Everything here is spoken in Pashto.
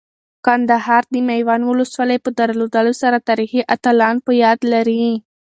کندهار د میوند ولسوالۍ په درلودلو سره تاریخي اتلان په یاد لري.